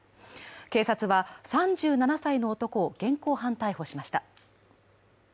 警察は３７歳の男を現行犯逮捕しまし。